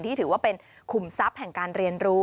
ถือว่าเป็นขุมทรัพย์แห่งการเรียนรู้